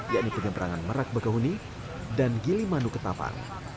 yakni penyeberangan merak bakahuni dan gilimanuketapang